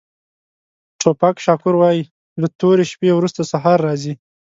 ټوپاک شاکور وایي له تورې شپې وروسته سهار راځي.